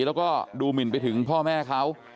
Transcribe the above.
แล้วก็ดูหมินไปถึงพ่อแม่เขา